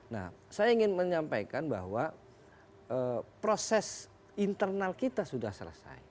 nah saya ingin menyampaikan bahwa proses internal kita sudah selesai